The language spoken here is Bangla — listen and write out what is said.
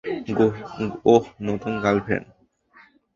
ওহ, নতুন গার্লফ্রেন্ড!